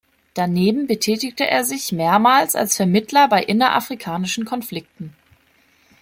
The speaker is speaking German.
Daneben betätigte er sich mehrmals als Vermittler bei innerafrikanischen Konflikten.